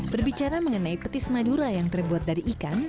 berbicara mengenai petis madura yang terbuat dari ikan